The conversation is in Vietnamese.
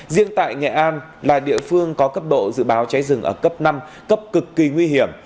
riêng tại nghệ an là địa phương có cấp độ dự báo cháy rừng ở cấp năm cấp cực kỳ nguy hiểm